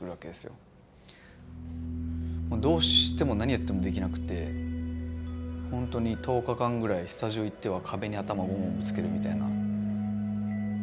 どうしても何やってもできなくてほんとに１０日間ぐらいスタジオ行っては壁に頭ゴンゴンぶつけるみたいな日々が続いてて。